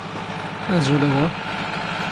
ⴰⵣⵓⵍ ⴰⵡⴰ!